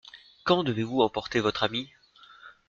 Quand devez-vous emporter votre ami ?